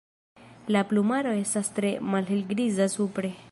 La plumaro estas tre malhelgriza supre.